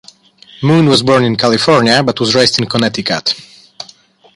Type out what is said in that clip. Moon was born in California, but was raised in Connecticut.